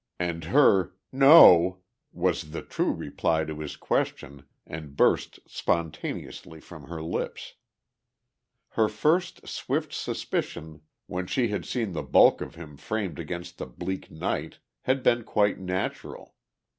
And her "No," was the true reply to his question and burst spontaneously from her lips. Her first swift suspicion when she had seen the bulk of him framed against the bleak night had been quite natural.